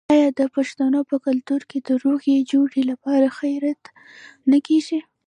آیا د پښتنو په کلتور کې د روغې جوړې لپاره خیرات نه کیږي؟